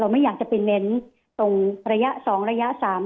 ไม่อยากจะเป็นเน้นแรกสองสาม